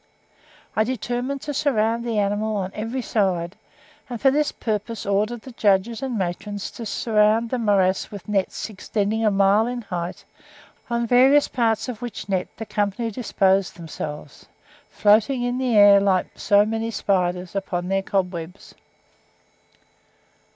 I determined to surround the animal on every side, and for this purpose ordered the judges and matrons to surround the morass with nets extending a mile in height, on various parts of which net the company disposed themselves, floating in the air like so many spiders upon their cobwebs.